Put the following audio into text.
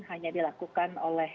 hanya dilakukan oleh